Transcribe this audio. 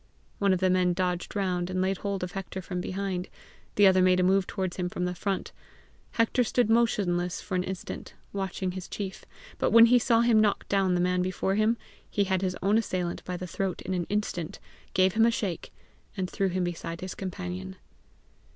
One of the men dodged round, and laid hold of Hector from behind; the other made a move towards him in front. Hector stood motionless for an instant, watching his chief, but when he saw him knock down the man before him, he had his own assailant by the throat in an instant, gave him a shake, and threw him beside his companion.